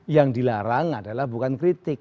yang dilarang adalah bukan kritik